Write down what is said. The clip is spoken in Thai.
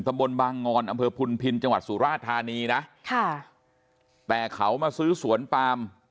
บนบางงอนอำเภอพุนพินจังหวัดสุราชธานีนะค่ะแต่เขามาซื้อสวนปาม